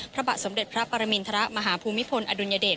พระบะสมเด็จพระปรมินทระมหาภูมิพลอดุญเดต